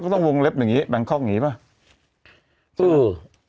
ก็ต้องวงเล็บอย่างนี้แบงค์คอล์กอย่างนี้หรือเปล่า